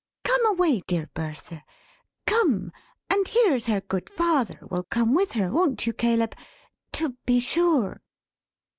"Come away, dear Bertha! Come! and here's her good father will come with her; won't you, Caleb? To be sure!"